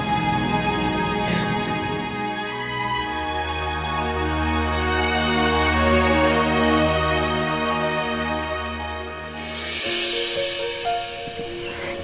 kamu jangan sedih ya umar